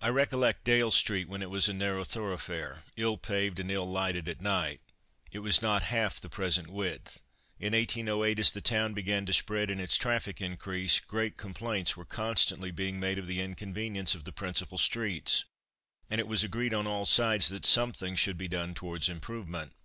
I recollect Dale street when it was a narrow thoroughfare, ill paved and ill lighted at night. It was not half the present width. In 1808, as the town began to spread and its traffic increase, great complaints were constantly being made of the inconvenience of the principal streets, and it was agreed on all sides that something should be done towards improvement.